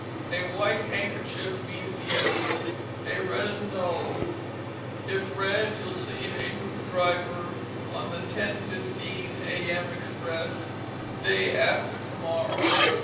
A white handkerchief means yes, a red 'un, no. If red, you'll see a noo driver on the 10:15 a.m. express day after to morrow.